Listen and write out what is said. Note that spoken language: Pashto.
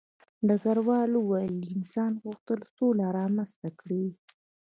ډګروال وویل انسان غوښتل سوله رامنځته کړي